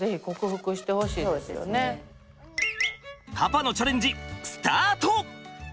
パパのチャレンジスタート！